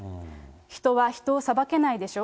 人は人を裁けないでしょ？